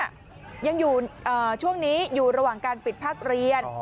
ยังอยู่ช่วงนี้อยู่ระหว่างการปิดภาคเรียน